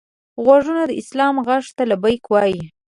غوږونه د سلام غږ ته لبیک وايي